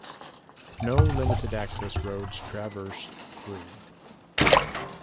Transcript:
No limited access roads traverse through.